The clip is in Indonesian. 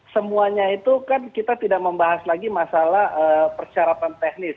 semuanya itu kan kita tidak membahas lagi masalah persyaratan teknis